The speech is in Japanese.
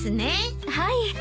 はい。